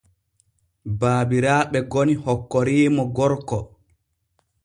Babiraaɓe goni hokkoriimo gorko.